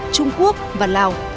trung quốc và lào